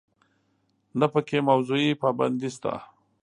نه په کې موضوعي پابندي شته.